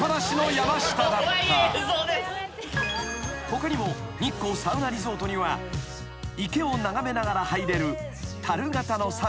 ［他にも日光サウナリゾートには池を眺めながら入れるたる型のサウナや］